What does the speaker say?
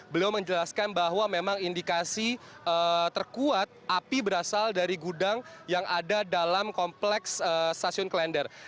beliau menjelaskan bahwa memang indikasi terkuat api berasal dari gudang yang ada dalam kompleks stasiun klender